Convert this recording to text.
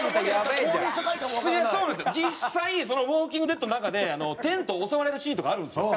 実際『ウォーキング・デッド』の中でテント襲われるシーンとかあるんですよ。